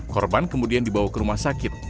korban kemudian dibawa ke rumah sakit